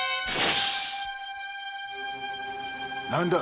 何だ